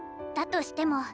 だとしても。